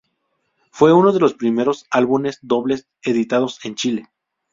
Fue uno de los primeros álbumes dobles editados en Chile.